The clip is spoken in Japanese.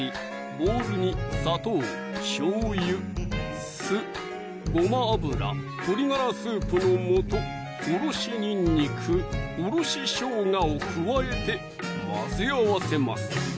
ボウルに砂糖・しょうゆ・酢・ごま油・鶏ガラスープの素・おろしにんにく・おろししょうがを加えて混ぜ合わせます！